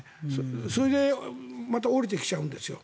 それでまた下りてきちゃうんですよ。